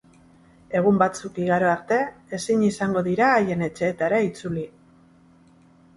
Egun batzuk igaro arte ezin izango dira haien etxeetara itzuli.